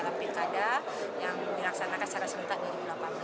yang dilaksanakan secara sementara di dua ribu delapan belas